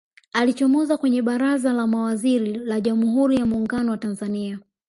alichomoza kwenye baraza la mawaziri la jamhuri ya muungano wa tanzania